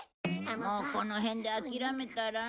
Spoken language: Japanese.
もうこの辺で諦めたら？